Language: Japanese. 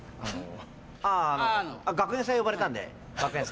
あ学園祭呼ばれたんで学園祭。